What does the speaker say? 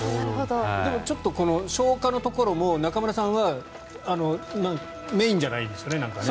でもちょっと消火のところも中村さんはメインじゃないんですよね。